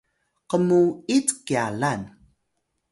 qmuyit kyalan